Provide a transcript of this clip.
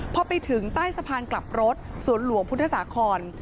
พอไปถึงใต้สะพานกลับรถสวนหลวงพุทธศาคอน